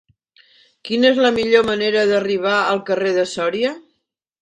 Quina és la millor manera d'arribar al carrer de Sòria?